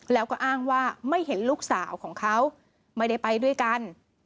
แล้วก็อ้างว่าไม่เห็นลูกสาวของเขาไม่ได้ไปด้วยกัน